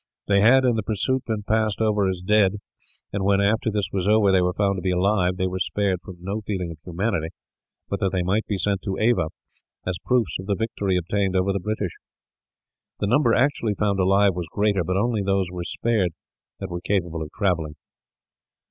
They had, in the pursuit, been passed over as dead; and when, after this was over, they were found to be alive, they were spared from no feeling of humanity, but that they might be sent to Ava, as proofs of the victory obtained over the British. The number actually found alive was greater, but only those were spared that were capable of travelling.